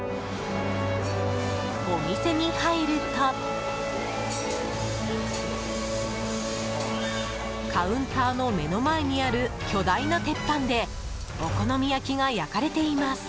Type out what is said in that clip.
お店に入るとカウンターの目の前にある巨大な鉄板でお好み焼きが焼かれています。